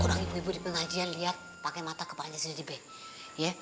orang ibu ibu di pengajian liat pakai mata kepala dia sendiri be